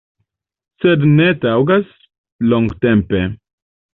Sed ne taŭgas longtempe.